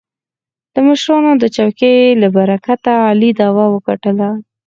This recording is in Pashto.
د مشرانو د چوکې له برکته علي دعوه وګټله.